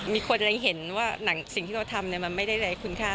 มีคนเล็งเห็นว่าหนังสิ่งที่เราทำมันไม่ได้ไร้คุณค่า